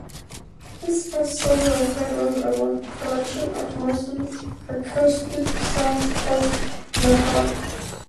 His first solo record was a collection of mostly acoustic songs called The Heart.